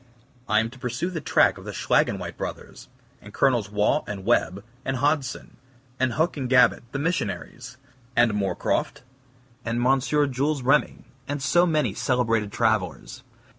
I am to pursue the track of the Schlaginweit Brothers; and Colonels Waugh and Webb, and Hodgson; and Huc and Gabet, the missionaries; and Moorecroft and M. Jules Remy, and so many celebrated travelers.